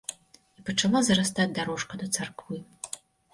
І пачала зарастаць дарожка да царквы.